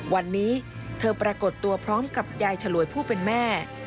วันนี้เธอปรากฏตัวพร้อมกับยายฉลวยผู้เป็นแม่